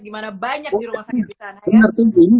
gimana banyak di rumah sakit di sana ya